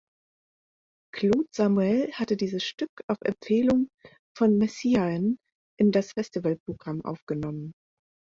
Claude Samuel hatte dieses Stück auf Empfehlung von Messiaen in das Festivalprogramm aufgenommen.